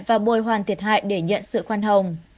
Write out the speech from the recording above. và bồi hoàn thiệt hại để nhận sự khoan hồng